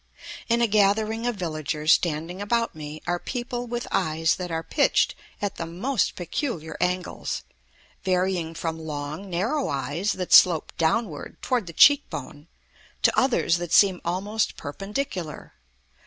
In a gathering of villagers standing about me are people with eyes that are pitched at the most peculiar angles, varying from long, narrow eyes that slope downward toward the cheek bone, to others that seem almost perpendicular.